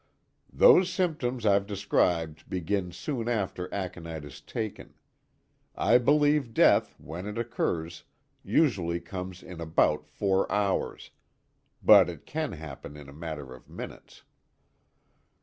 "Those symptoms I've described begin soon after aconite is taken. I believe death, when it occurs, usually comes in about four hours but it can happen in a matter of minutes."